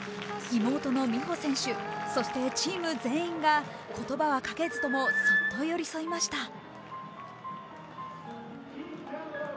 妹の美帆選手、そしてチーム全員が言葉はかけずともそっと寄り添いました。